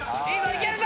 いけるぞ！